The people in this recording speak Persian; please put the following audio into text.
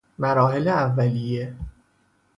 مراحل اولیه